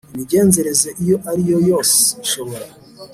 Imigenzereze Iyo Ari Yo Yose Ishobora